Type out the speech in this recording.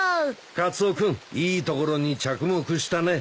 カツオ君いいところに着目したね。